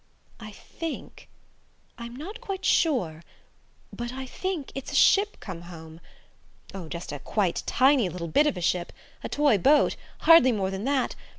"I think–I'm not quite sure–but I think it's a ship come home–oh, just a quite tiny little bit of a ship–a toy boat–hardly more than that.